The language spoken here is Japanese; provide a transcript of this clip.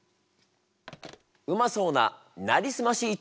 うまそうな「なりすまし」一丁！